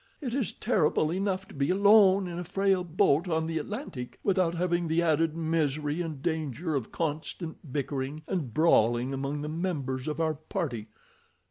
"It is terrible enough to be alone in a frail boat on the Atlantic, without having the added misery and danger of constant bickering and brawling among the members of our party.